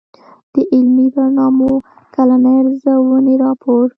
د علمي برنامو کلنۍ ارزوني راپور